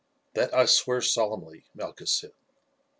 "That I swear solemnly," Malchus said.